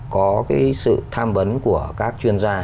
có cái sự tham vấn của các chuyên gia